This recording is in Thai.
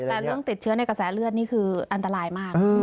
แต่เรื่องติดเชื้อในกระแสเลือดนี่คืออันตรายมาก